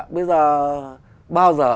bây giờ bao giờ